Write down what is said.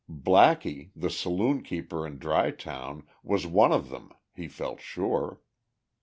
Blackie, the saloon keeper in Dry Town, was one of them, he felt sure.